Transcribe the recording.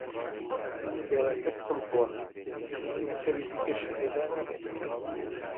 تڕومبێلەکە پڕ بووە، جێی یەک نەفەری دیکەشی تێدا نابێتەوە.